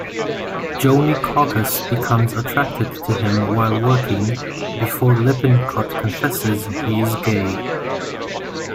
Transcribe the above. Joanie Caucus becomes attracted to him while working before Lippincott confesses he is gay.